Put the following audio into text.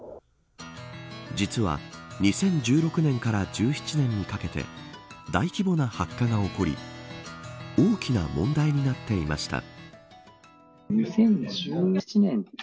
実は、２０１６年から１７年にかけて大規模な白化が起こり大きな問題になっていました。